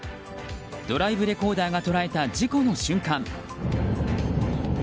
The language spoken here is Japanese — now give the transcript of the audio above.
ドライブレコーダーが捉えた事故の瞬間。